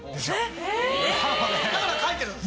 だから書いてるんです。